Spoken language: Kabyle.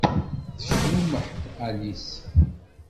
Tecmumeḥ-d Alice.